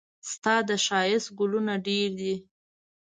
ستا د ښايست ګلونه ډېر دي.